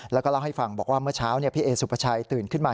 แล้วก็เล่าให้ฟังบอกว่าเมื่อเช้าพี่เอสุภาชัยตื่นขึ้นมา